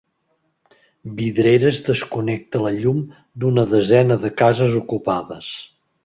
Vidreres desconnecta la llum d'una desena de cases ocupades.